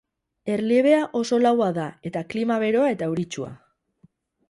Erliebea oso laua da eta klima beroa eta euritsua.